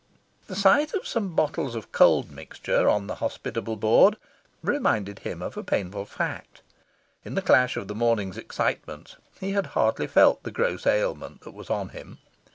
The sight of some bottles of Cold Mixture on that hospitable board reminded him of a painful fact. In the clash of the morning's excitements, he had hardly felt the gross ailment that was on him.